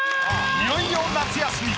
いよいよ夏休み！